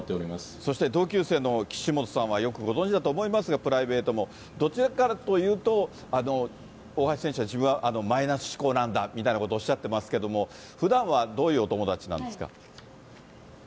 そして同級生の岸本さんはよくご存じだと思いますが、プライベートも、どちらかというと、大橋選手は自分はマイナス思考なんだっていうみたいなことおっしゃってますけど、ふだんはどういうお友達なんですか。